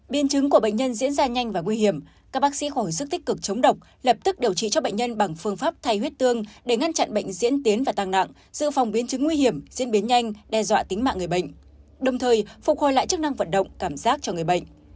biến chứng của bệnh nhân diễn ra nhanh và nguy hiểm các bác sĩ khỏi sức tích cực chống độc lập tức điều trị cho bệnh nhân bằng phương pháp thay huyết tương để ngăn chặn bệnh diễn tiến và tăng nặng dự phòng biến chứng nguy hiểm diễn biến nhanh đe dọa tính mạng người bệnh đồng thời phục hồi lại chức năng vận động cảm giác cho người bệnh